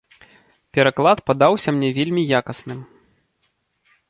Пераклад падаўся мне вельмі якасным.